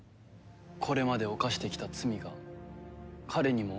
これまで犯してきた罪が彼にもあるのにかい？